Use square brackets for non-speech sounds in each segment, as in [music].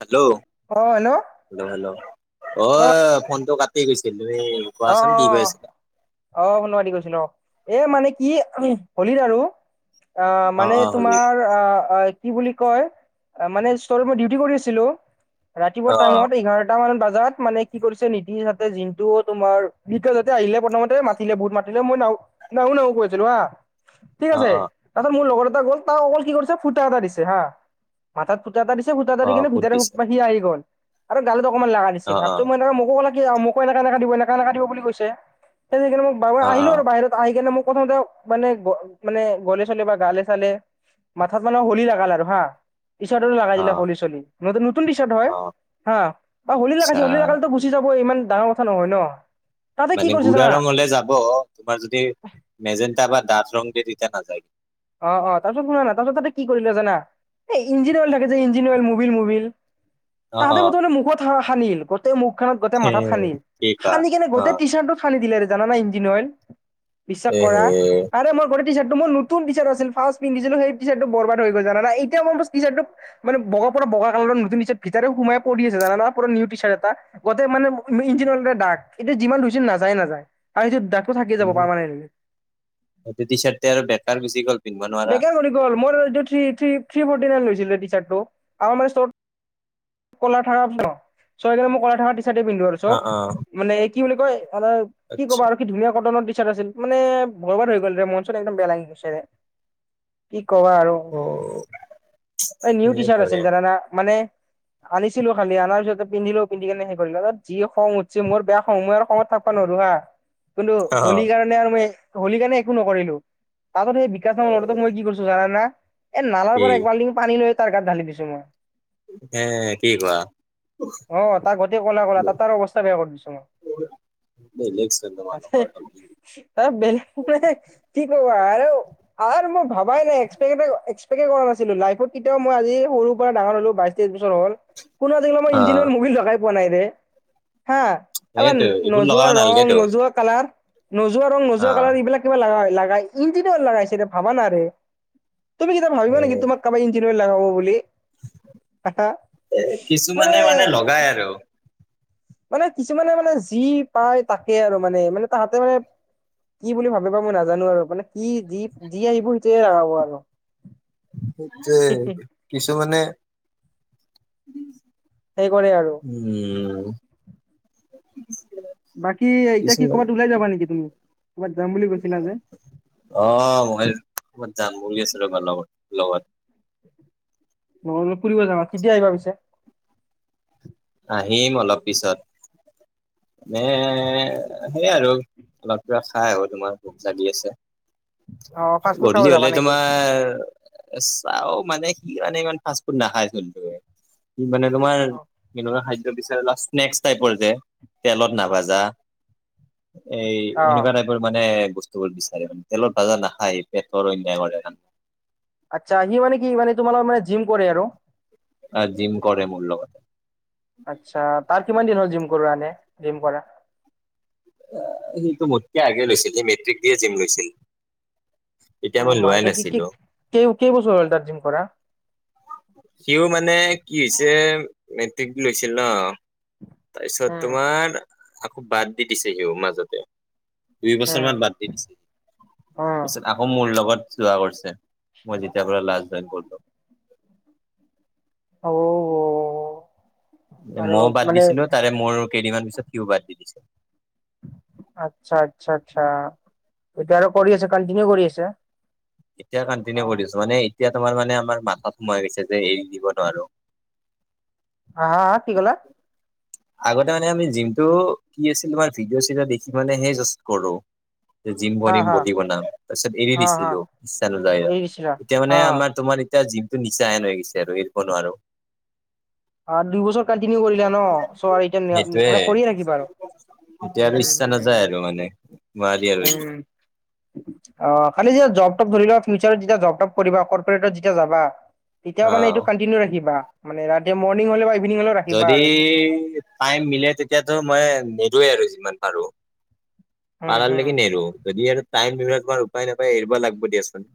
Hello অ hello hello hello অঐ ফোনটো কাটি গৈছিল তুমি অ কোৱাচোন কি কৈ আছিলা? অ অ শুনোৱা দি কৈছিল অ এ মানে কি হলিত আৰু অ মানে অ' হলি তোমাৰ অ কি বুলি কয় মানে ষ্টৰত মই ডিউটি কৰি আছিলো ৰাতিপুৱা অ' টাইমত এঘাৰটা মান বজাত মানে কি কৰিছে নীতিন তাতে যোনটো তোমাৰ বিকাছ হতে আহিলে প্ৰথমতে মাতিলে বহুত মাতিলে মই না নাহ নাহো কৈছিলো হা ঠিক অ' আছে অ' তাৰপাছত মোৰ লগৰ এটা গ'ল তাক অকল কি কৰিছে ফুটা এটা দিছে হা মাত ফুটা এটা দিছে ফুতাটা দি অ' কিনে ফুট ভিতৰে দিছে আহি গল আৰু গালো অকনমান লাগা। ছিল অ' হাতটো অ' মই মোকো ক কি মোক [unintelligible] ব অ' আহিলো আৰু অ' বাহিৰত আহি কেনে মোক প্রথমতে মানে গ মানে গলে চলে বা গালে চালে মাথাত মানে হোলী লগাল আৰু হা। টি চাৰ্টটো লগাই দিলে অ' হল চলী নত নতুন টি চাৰ্ট হয় অ' হা বা হোলী আচ্ছা লাগাইছে হলি লা যাব ইমান ডাঙৰ কথা নহয় ন। তাতে কি মানে কৰিছে গুড়া জানা ৰং হলে যাব তোমাৰ যদি মেজেণ্টাা বা ডাঠ ৰং দিয়ে তেতিয়া নাযায়। অ', অ' তাৰপাছত শুনা না তাৰ পাছত তাতে কি কৰিলে জানা। এই ইঞ্জিন অৱেল থাকে যে ইঞ্জিনৱল মুবিল মুবিল অ' তাহাঁতে অ' প্ৰতমানে মুখত সানিল গোটেই মুখখনত গোটেই মাথাত সেই সানিল কি কোৱা সানি কিনে গোটেই অ' টি চাৰ্টত দিলে জানা না ইঞ্জিন অইল বিশ্বাস এ হে কৰা [unintelligible] নতন টিচাৰ্ট আছিল ফাৰ পিন্ধি সেই [unintelligible] মানেগ পৰা বগা কালৰ নতুন ভিততে সোমাই পৰি আছে জান প নিউ চাৰট এটা গতে মানে ইঞ্জিনল ডাক এতিয়া যিমান ধুইছিল নাযায়ে নাযায়। আৰু সিটো দাকটো থাকি যাব পাৰানেটি সেই টি চাৰ্টতে আৰু বেকাৰ গুচি গ'ল। পিন্ধিব নোৱাৰা বেকাৰ কৰি গ'ল মোৰটো থি থি ফটি নাইন লৈছিলে টিচাৰটো আমাৰে। কলাৰ খাৰ চয়ই মই কলাৰ থীকা টি চাৰটে পিন্ধো আৰু। অ', চব। অ'। মানে কি বুলি কয় আ কি আচ্ছা ক'বা আৰু। ধুনীয়া কটনৰ টিচাৰ আছিল মানে ভৰবাৰ হৈ গ'লৰে মন চন একদম বেয়া লাগি গৈছেৰে। কি কবা আৰু অ' এই নিউ টিচাৰ সেইটোৰে আছিল জানানা মানে আনিছিলো খালি আনাৰ পিছতে পিন্ধিলোও পিন্ধি কেনে সেৰিলো ত যি খং উঠি ম বেয়া সময় আৰু খয়ত থাকা নোৱাৰো হা [inaudible] কিন্তু অ' হোলিকাৰ। হল কাৰণে একো নকৰিলো তাতত সেই বিকাশ ন লৰা মই কি কৰিছো জানা না। এ নালাৰ কি পৰা এক বাল্টি পানী লৈ তাৰ গাত ঢালি দিছো মই। হে কি কোৱা। অ' তাক গতেেই কলা কলা তাৰ অৱস্থা বেয়া কৰি দিছো মই। [unintelligible] [unintelligible] আৰু মই ভাবাই নাই এক এক্সেক কৰা নাছিলো লাইফত কেতিও মইজি সৰুৰ পৰা ডাঙৰ হলো বাই। তেছ বছৰ হল কোনো মোক অ ইঞ্জিনৰ মুবিল লগাই পোৱা নাই ৰে হা। এবাৰ সেইটো এইবোৰ লগাব নোযোৱা ৰং নালাগেতো নোযোৱা কালাৰ নোযোৱা ৰং অ নোযোৱা কালাৰ এইবিলাক কিবা লগাই ইঞ্জিন অইল লগাইছে ভাবা নাৰে। তুমি কিটাবা এ ভাবিবা নেকি তোমাক কাবাই ইঞ্জিন অইল লগাব বুলি। আহা এ কিছুমানে মানে লগাই আৰু। মানে কিছুমানে মানে যি পায় তাকে আৰু মানে মানে তাহাতে মানে কি বুলি ভাবিবা মই নাজানো আৰু মানে কি যি যি আহিব সিটোয়ে লগাব আৰু। যে কিছুমানে সেই কৰে আৰু। উম। বাকী এতিয়া কি কিছুমানে কবাত ওলাই যাবা নেকি তুমি কবাত যাম বুলি গৈছিলা যে। অ' মই কবাত যাম বুলি আছো ৰ'বা লগত লগত। নহলে ফুৰিব যাবা কেতিয়া আহিবা পিছে। আহিম অলপ পিছত এ সেই আৰু অলপ কিবা খাই আহো তোমাৰো ভোক লাগি আছে। অ' ফাষ্ট ফুড খাব গধুলি যাবা হলে নেকি? তোমাৰ চাও মানে সি মানে ইমান ফাষ্ট ফুড নাখাই চোন তে সি মানে তোমাৰ মিলা খাদ্য বিচাৰ স্নেক্স টাইপৰ যে তেলত নাভাজা এই অ' এনেকুৱা [unintelligible] মানে বস্তুবোৰ বিচাৰে মান তেলৰ ভাজা নাখায় পেটৰ অন্যায় কৰে কাৰণে আচ্ছা সি মানে কি মানে তোমালোক মানে জিম কৰে আৰু। আৰু জিম কৰে মোৰ লগতে। আচ্ছা তাৰ কিমান দিন হল জিম কৰো আনে জিম কৰা। সিটো মোতকে আগে লৈছিল সি মেট্ৰিক দিয়ে জিম লৈছিল। তেতিয়া মই অ' লোৱাই মাইতি কি কি নাছিলো ক কেই বস্তু হ'ল তাৰ্জিম কৰা। সিও মানে কি হৈছে মেট্ৰিক লৈছিল ন। তাৰপিছত উম, তোমাৰ আকৌ বাদ দি দিছে সিও মাজতে দুই বছৰ উম, মান বাদ তাৰপিছত অ' আকৌ মোৰ লগত যোৱা কৰিছে। মই যেতিয়া লাষ্ট জইন কৰলো। ও। ময়ো বাদ দিছিলো তাৰে মোৰ কেইদিনমান পিছত সিও বাদ দি দিছিলে। আচ্ছা আচ্ছা আচ্ছা এটো আৰু কৰি আছে কন্টিনিউ কৰি আছে। এতিয়া কণ্টিনিউ কৰি অ' দিছো মানে এতিয়া আমাৰ মানে আমাৰ মাথত সোমাই গৈছে যে এৰি দিব নোৱাৰো। হা কি কলা? আগতে মানে আমি জিমটো কি আছিল তোমাৰ ভিডিঅ' চিডঅ দেখি মানে হেই জাচ কৰো জিম হা বনিম হা, বডি বনাম তাৰপিছত এৰি হা হা দিছিলো ইচ্ছা নাযায় এৰি দিছিলা? এতিয়া মানে অ'। আমাৰ তোমাৰ এতিয়া জিমটো নিচা হেন হৈ গৈছে আৰু এৰিব নোৱাৰো। দুই বছৰ কণ্টিনিউ কৰিলা ন চ সেইটোয়ে মানে কৰিয়ে থাকিবা আৰু। এতিয়া আৰু ইচ্ছা নাযায় আৰু মানে। নোৱাৰি আৰু উম। অ' খালি যেতিয়া জব ধৰি লোৱা ফিউচাৰত যেতিয়া জব কৰিবা কৰ্পৰেটত যেতিয়া যাবা। তেতিয়াও অ মানে এইটো কণ্টিনিউ ৰাখিবা মানে ৰাতি মৰনিং হ'লে বা ইভিনিং হ'লেও ৰাখিবা যদি আৰু এইটো। টাইম মিলে তেতিয়াতো মই নেদোৱে আৰু যিমান পাৰো। উম, পাৰা হুম। লেকি নেৰো যদি আৰু টাইম তোমাৰ উপায় নাপায় এৰিবা লাগবো দিয়াচোন।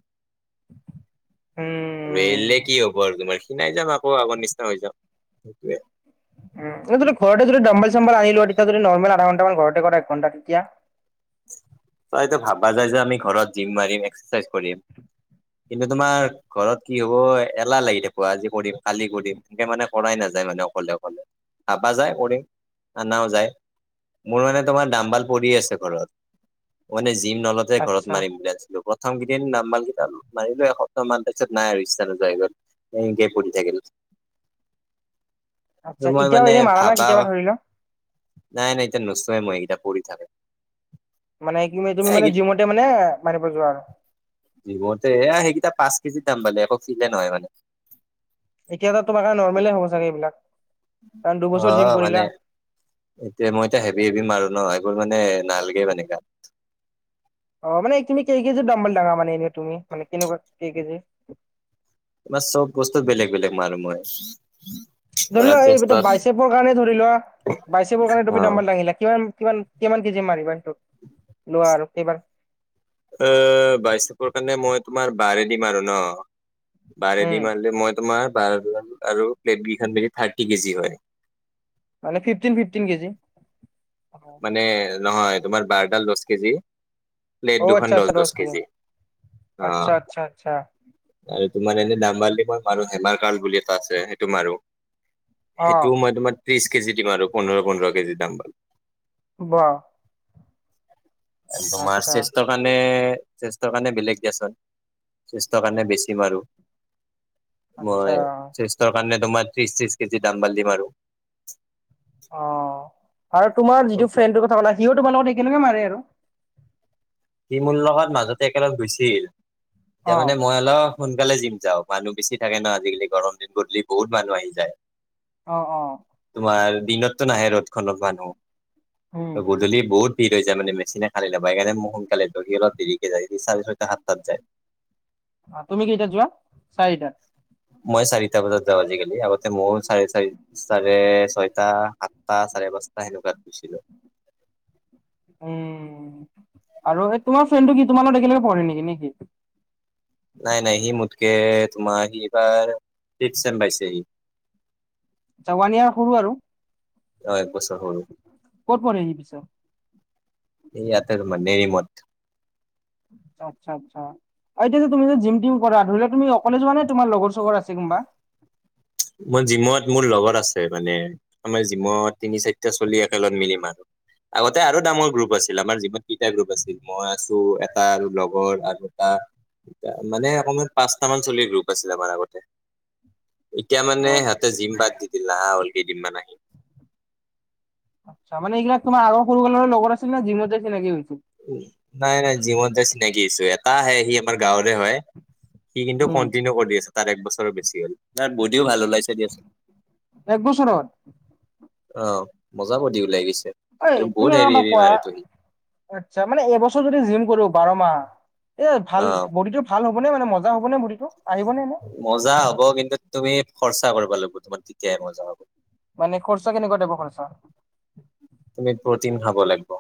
উম, [unintelligible] লে কি হব তোমাৰ খিনাই যাম আকৌ আগৰ নিচিনা হৈ যাম সেইটোৱে। উ তু ঘৰতে যদি ডম্বল চম্বল আনিলোৱা তেতিয়া যদি নৰ্মেল আধা ঘন্টামান ঘৰতে কৰা এক ঘণ্টা তেতিয়া। তাইটো ভাবা যায় যে আমি ঘৰত জিম মাৰিম এক্সাৰচাইজ কৰিম কিন্তু তোমাৰ ঘৰত কি হ'ব এলাহ লাগি থাকিব আজি কৰিম কালি কৰিম সনেকে মানে কৰাই নাযায় মানে অকলে অকলে। ভাবা যায় কৰিম আনাও যায় মোৰ মানে তোমাৰ দামবাল পৰি আছে ঘৰত। মানে জিম নলতে ঘৰত আচ্ছা। মাৰিম বুলি ভাবচিলো প [unintelligible] প্ৰথম কেইদিন দামবালকেইটা মাৰিলো এসপ্তাহ মান তাৰ পিচত নাই আৰু ইচ্ছা নোহোৱা হৈ গল। একে পঢ়ি থাকিল। ত আচ্ছা মই এতিয়াও মানে এনে মাৰা না ভাবা কেতিয়াবা ধৰি লোৱা নাই নাই এতিয়া নোচে মই এইকেইটা পৰি থাকে। মানে কিমি তুমি মানে এ জিমতে মানে মাৰিব যোৱা আৰু। জিমতে এ সেইকেইটা পাঁচ কেজি দামবালে একো ফিলে নহয় মানে। এতিয়াতো তোমাৰ নৰ্মেলে হ'ব চাগে এইবিলাক কাৰণ অ দুবছৰ জিম মানে কৰিলা। এতিয়া মই এতিয়া হেভি হেভি মাৰো ন এইবোৰ মানে নালাগে মানে গাত। অ', মানে তুমি কেই কেজিৰ দাম্বল ডাঙা মানে এনে তুমি মানে কেনেকুৱা কেই কেজি। তাৰ চব বস্তু বেলেগ বেলেগ মাৰো মই। ধৰি ধৰা লোৱা এইটা চেষ্টত বাইচেপৰ কাৰণে ধৰি লোৱা বাইচেপৰ কাৰণে অ তুমি দাম্বেল দাঙিলা কিমান কিমান কিমান কেজি মাৰিবা স তোক লোৱা আৰু কেইবাৰ। অ', বাইচেপৰ কাৰণে মই তোমাৰ বাৰে দিম আৰু ন। বাৰে দি উম মালি মই তোমাৰ বাৰাডাল আৰু প্লেট কেইখন মেলি থাৰ্টি কেজি হয়। মানে ফিফটিন ফিফটিন কেজি মানে নহয় তোমাৰ বাৰডাল দচ কেজি। অ প্লেট আচ্ছা দুখন আচ্ছা দচ দহ দচ কেজি আচ্ছা অ'। আচ্ছা আচ্ছা আৰু তোমাৰ এনে দাম্বাল দি মই মাৰো হেমাৰ কড বুলি এটা আছে সেইটো মাৰো। অ সেইটো মই তোমাৰ ত্ৰিশ কেজি দি মাৰো আৰু পোন্ধৰ পোন্ধৰ কেজি দাম্বেল। ৱা তোমাৰ আচ্ছা শ্ৰেষ্ঠ কাৰণে শ্ৰেষ্ঠ কাৰণে বেলেগ দিয়াচোন। স্টেৰ কাৰণে বেছি মাৰো। আচ্ছা মই স্টেৰ কাৰণে তোমাৰ ত্ৰিশ ত্ৰিশ কেজি দাম্বেল দি মাৰো। অ', আৰু তোমাৰ চব যিটো ফ্ৰেণ্ডৰ কথা ক'লে সিও তোমাৰ লগত একে লগে মাৰে আৰু কি মোৰলগত মাজতে একেলগে গৈছিল এতিয়া অ মানে মই অ', সোনকালে জিম যাওঁ মানুহ বেছি থাকে ন আজিকালি গৰম দিন গধূলি বহুত মানুহ আহি যায়। অ', অ'। তোমাৰ দিনতটো নাহে ৰ'দ খনত উম মানুহ গধূলি বহুত ভিৰ হৈ যায় মানে মেচিনে খালি নাপায় সেইকাৰণে মই সোনকালে যায় সি অলপ দেৰিকে যায় চাৰে ছটা সাতটাত যায়। তুমি কেইটাত যোৱা চাৰিটাত। মই চাৰিটা বজাত যাওঁ আজিকালি আগতে ময়ও চাৰে চাৰি চাৰে ছয়টা সাতটা চাৰে পাঁচটা সেনেকুৱাত গৈছিলোঁ। উম, আৰু এই তোমাৰ ফ্ৰেণ্ডটো কি তোমাৰত একেলগে পঢ়ে নেকি নেকি? নাই নাই হি মোতকে তোমাৰ সি এইবাৰ ছিক্স ছেম পাইছে সি। আচ্ছা ওৱান এয়ৰ সৰু আৰু। অ', এক বছৰ সৰু ক'ত পঢ়ে সি পিছে এইয়াতে আৰু মানে ৰুমত আচ্ছা, আচ্ছা। এতিয়া যে তুম জিমটিম কৰা ধৰি লোৱা তুমি অকলে যোৱা নে তোমাৰ লগৰ চৰ আছে কোনোবা। মোৰ জিমত মোৰ লগত আছে মানে আমাৰ জিমত তিনি চাৰিটা চলি একেলত মিলি মাৰো। আগতে আৰু ডাঙৰ গ্ৰুপ আছিল আমাৰ জিমত তিনিটা গ্ৰুপ আছিল মই আছো এটা আৰু লগৰ আৰু এটা মানে অকমান পাঁচটা মান চলিৰ গ্ৰুপ আছিলে আমাৰ আগতে এতিয়া মানে হয় সিহঁতে জিম বাদ দি দিলে হা অলপ কেইদিন মান আহি তাৰমানে এইবিলাক তোমাৰ আগৰ সৰুকালৰ লগ আছিলে জিমতে চিনাকী হৈছিল। নাই, নাই জিমত যায় চিনাকি হৈছো এটা আহে সি আমাৰ গাঁৱৰে হয়। সি কিন্তু উম কণ্টিনিউ কৰি দি আছে তাৰ এক বছৰৰ বেছি হ'ল তাৰ বডিও ভাল ওলাইছে দিয়াচোন। এক বছৰত। অ', মজা বডি ওলাই গৈছে। ঐ আৰু তুমি বহুত এটা হেভি কথা হেভি কোৱা মাৰেতো সি আচ্ছা মানে এবছৰ যদি জিম কৰো বাৰ মাহ এই ভাল অ বডিটো ভাল হ'বনে মানে মজা হ'বনে বডিটো আহিব নে? মজা হ'ব কিন্তু তুমি খৰচা কৰিব লাগিব তোমাৰ তেতিয়াই মজা হ'ব। মানে খৰচা কেনেকুৱা টাইপ খৰচা? তুমি প্ৰটিন খাব লাগিব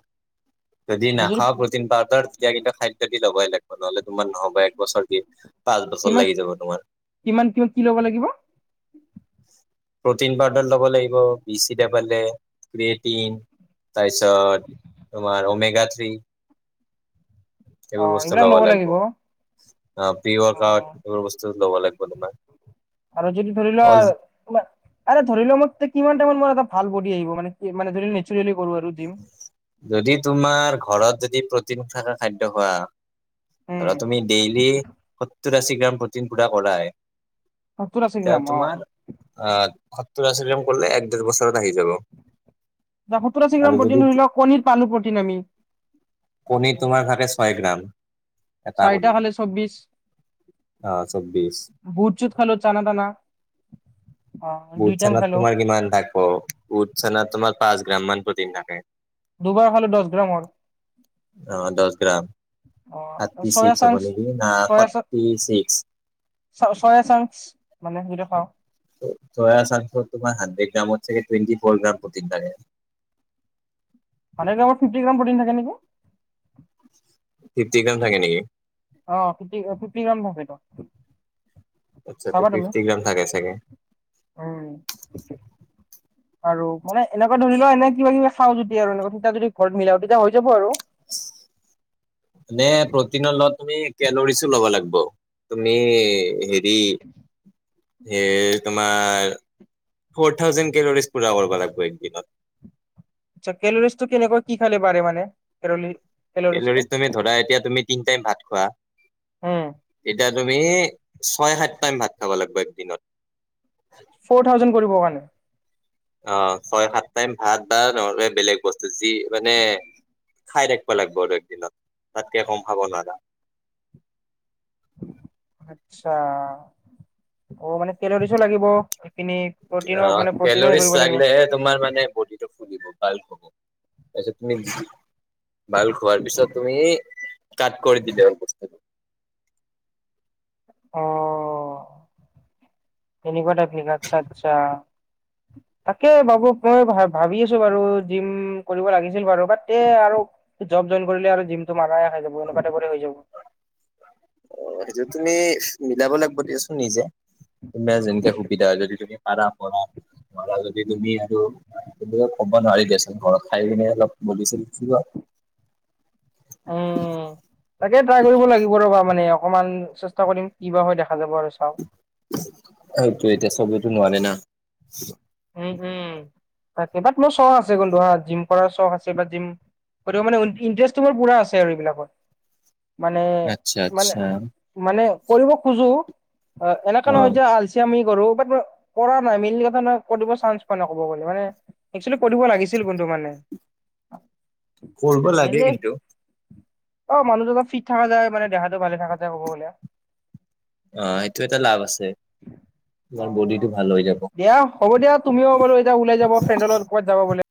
যদি নাখাওঁ প্ৰটিন পাউদাৰ তেতিয়া কিন্তু খাদ্য লবই লাগিব নহ'লে তোমাৰ নহ'ব একবছৰ কি পাঁচ বছৰ কিমান লাগি যাব। তোমাৰ কিমান কিমান কি ল'ব লাগিব। [inaudible] প্ৰটিন পাউদাৰ ল'ব লাগিব বি চি পে ক্ৰেটিন তাৰপিছত তোমাৰ অমেগা থ্ৰী এইবোৰ বস্তু ল'ব লাগিব অ পি কাৰ অ। এইবোৰ বস্তু ল'ব লাগিব তোমাৰ আৰু যদি ধৰি অল লোৱা তোমাৰ আ ধৰি লওঁ মই কিমান টাইমত মোৰ এটা ভাল বডি আহিব মানে মানে নেচাৰেলি কৰোঁ আৰু জিম যদি তোমাৰ ঘৰত যদি প্ৰটিন থকা খাদ্য খোৱা উম ধৰা তুমি ডেইলি সত্তৰ আশী গ্ৰাম প্ৰ'টিন পূৰা কৰাই সত্তৰ আশী এতিয়া গ্ৰাম অ তোমাৰ আহ সত্তৰ আশী গ্ৰাম কৰিলে এক ডেৰ বছৰত আহি যাব সওৰ আশী আৰু গ্ৰাম যদি প্ৰটিন ধৰি লওক কণীত পালো প্ৰটিন আমি কণী অ'। তোমাৰ থাকে ছয় গ্ৰাম এটা কণী চাৰিটা খালে চৌব্বিশ অ চৌব্বিশ বুট চুত খালো চানা তানা অ বুত দুই টাইম চনাত খালো কিমান থাক অ বুট চানাত তোমাৰ পাঁচ গ্ৰাম মান প্ৰতিদিন থাকে দুবাৰ হলে দহ গ্ৰামৰ অ দহ গ্ৰাম অ থাৰটি চয়া ছিক্স হ'ব চাংছ নেকি না ফৰটি চ চয় চাং মানে সেইটো খাওঁ তোমাৰ হানড্ৰেড গ্ৰামৰি ফৰ গ্ৰাম প্ৰটিন থাকে মানে ফিপত্তি প্ৰটিন থাকে নেকি ফিপত্তি গ্ৰাম থাকে নেকি অ ফিপত্তি গ্ৰাম থাকে আচ্ছা তে ফিফটি গ্ৰাম থাকে চাগে উমেই আৰু মানে এনেকুৱা ধৰি লোৱা এনে কিবা কিবা চাওঁ যদি আৰু এনেকুৱা তেতিয়া যদি ঘৰত মিলাও তেতিয়া হৈ যাব আৰু উম নে প্ৰটিনৰ লগত তুমি কেলৰিচো ল'ব লাগিব তুমি হে মেগি স তোমাৰ ফোৰ থাউজেণ্ড কেলৰিজ পুৰা কৰিব লাগিব একদিনত আচা কেলৰলিচ তটো কেনেকৈ কি খালে বাৰে মান কেৰলি কেলৰিজ তুমি ধৰা এতিয়া তুমি তিনি টাইম ভাত খোৱা হম এতিয়া তুমি ছয় সাত টাইম ভাত খাব লাগিব একদিনত ফ'ৰ থাউজেণ্ড কৰিবৰ কাৰণে অ ছয় সাত টাইম ভাত বা নহবলে বেলেগ বস্তু যি মানে খাই ৰাখিবা লাগিব আৰু একদিনত তাতকে কম খাব নোৱাৰা আত্ছা অ মানে কেলৰিচো লাগিব এইেইপিনি প্ৰটিন অ মানে প্ৰটিনো কেলৰিজ হেৰি কৰিব লাগিব লাগিলেহে তোমাৰ মানে ব ফুলিব বাল্ক হব তাৰপিছত তুমি ভাল খোৱাৰ পিছত তুমি কাট কৰি দিলেল বস্তুটো অ তেনেকুৱাটা ভিক আ চ আচ্ছা তাকে বাবু মই ভ ভাবি আছো বাৰু জিম কৰিব লাগিছিল বাৰু বাট তে আৰু জব জইন কৰিলে আৰু জিম টো মাৰাইখা যাব এনেকুৱাতে কৰি হৈ যাব অ সেইটো তুমি মিলাব লাগিব দেিয়চোন নিজে তোমাৰ যেনেকে সুবিধা হয় যদি তুমি প পৰা মৰা যদি তুমি আৰু ক'ব নোৱাৰি দেোচ ঘৰ খাই পনে অলপ বলিছাৰ কি উম তাকে ট্ৰাই কৰিব লাগিব ৰ'বা মানে অকমান কৰিম ই বা হয় দেখা যাব আৰু চা সেইটোৱে, এতিয়া চবতটো নোৱাৰে না। উম, উম, তাকে বাত মোৰ চখ আছে, [unintelligible] কিন্তু হা জিম কৰাৰ চখ আছে বা জিম মানে ইন্টাৰেষ্ট পুৰা আছে আৰু এইবিলাকৰ মানে, আচ্ছা মানে আচ্ছা মানে কৰিব খোজো অ', এনেকা নহয় যে আল চিয়ামি কৰোঁ, বাত কৰা নাই [unintelligible] কৰিব চান্স পোৱা নাই ক'ব গ'লে মানে একচোৱেলি কৰিব লাগিছিল কিন্তু মানে। কৰিব [inaudible] লাগে কিন্তু অ', মানুহটো অলপ ফিট থাকা যায়, মানে দেহাটো ভালে থাকা যায় ক'ব গ'লে। অ', সেইটোৱে টো লাভ আছে, তোমাৰ অ বডিটো ভাল হৈ যাব। [unintelligible] তুমিও অলপ এতিয়া ওলাই যাব, ফ্ৰেণ্ডৰ লগত কৰাত যাব ক'লে